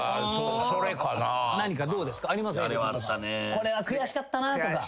これは悔しかったなとか。